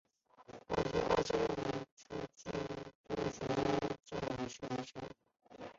光绪二十六年出督福建学政。